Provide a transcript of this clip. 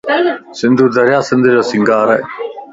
سنڌو دريا سنڌ جو سينگار ا